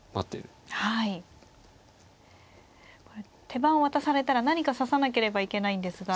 手番を渡されたら何か指さなければいけないんですが。